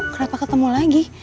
kenapa ketemu lagi